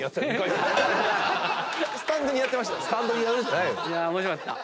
スタンドにやってましたよね。